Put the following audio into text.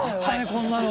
こんなの。